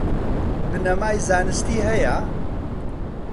بنەمای زانستی هەیە؟